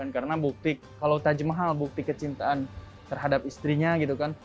karena bukti kalau taj mahal bukti kecintaan terhadap istrinya